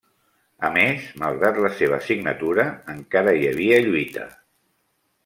A més, malgrat la seva signatura, encara hi havia lluita.